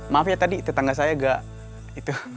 maaf ya tadi tetangga saya gak itu